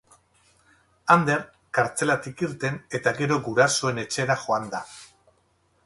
Ander kartzelatik irten eta gero gurasoen etxera joan da.